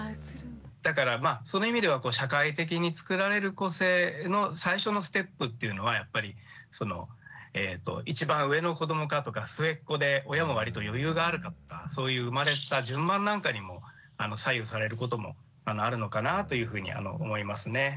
だからその意味では社会的に作られる個性の最初のステップっていうのはやっぱり一番上の子どもかとか末っ子で親も割と余裕があるかとかそういう生まれた順番なんかにも左右されることもあるのかなというふうには思いますね。